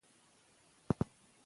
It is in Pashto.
که انټرنیټ وي نو نړۍ نه لیرې کیږي.